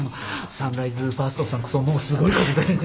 サンライズファーストさんこそもうすごい数で。